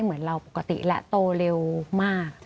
เหมือนเราปกติและโตเร็วมาก